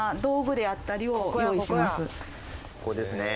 ここですね。